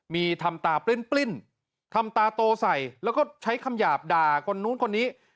มีทำตาปริ้นทำตาโตใส่แล้วก็ใช้คำหยาบด่าคนนู้นคนนี้